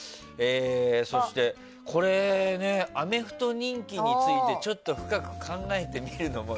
そして、アメフト人気についてちょっと深く考えてみるの森。